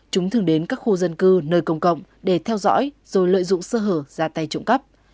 chúng thường đến các khu dân cư nơi công cộng để theo dõi rồi lợi dụng sơ hở ra tay trộm cắp